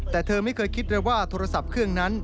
แต่เธอไม่เคยคิดเลยว่าโทรศัพท์เครื่องนั้น